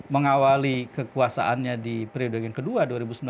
mengawali kekuasaannya di periode yang kedua dua ribu sembilan belas